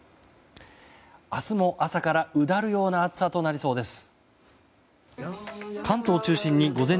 明日も朝からうだるような暑さとなりそうです。